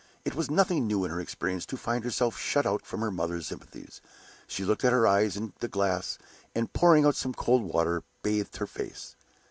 It was nothing new in her experience to find herself shut out from her mother's sympathies. She looked at her eyes in the glass, and, pouring out some cold water, bathed her face.